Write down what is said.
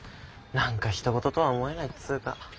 何か他人事とは思えないっつーか。